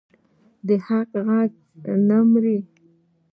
د حق غږ نه مري